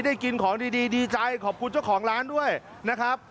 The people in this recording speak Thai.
กินของดีดีใจขอบคุณเจ้าของร้านด้วยนะครับ